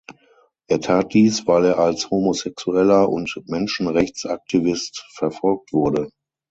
Er tat dies, weil er als Homosexueller und Menschenrechtsaktivist verfolgt wurde.